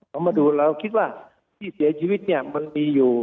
เขามาดูเราคิดว่าที่เสียชีวิตเนี่ยมันมีอยู่